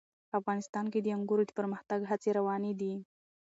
افغانستان کې د انګورو د پرمختګ هڅې روانې دي.